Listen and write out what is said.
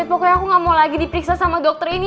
pokoknya aku gak mau lagi diperiksa sama dokter ini